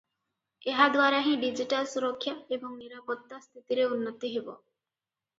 ଏହା ଦ୍ୱାରା ହିଁ ଡିଜିଟାଲ ସୁରକ୍ଷା ଏବଂ ନିରାପତ୍ତା ସ୍ଥିତିରେ ଉନ୍ନତି ହେବ ।